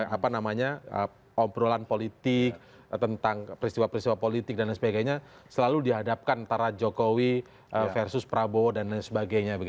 apa namanya obrolan politik tentang peristiwa peristiwa politik dan sebagainya selalu dihadapkan antara jokowi versus prabowo dan lain sebagainya